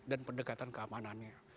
dan pendekatan keamanannya